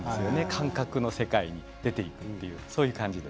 感覚の世界に出ていくそういう感じです。